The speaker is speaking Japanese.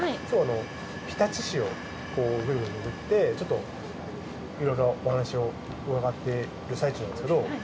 今日日立市をグルグルめぐってちょっといろいろお話を伺ってる最中なんですけど。